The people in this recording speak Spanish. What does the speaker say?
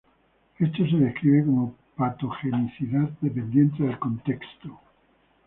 Esto se describe como patogenicidad dependiente del contexto.